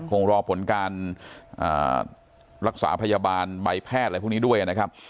คงรอผลการรักษาพยาบาลใบแพทย์อะไรพวกนี้ด้วยนะครับ